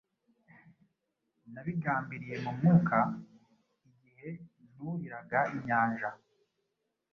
Nabigambiriye mu mwuka igihe nuriraga inyanja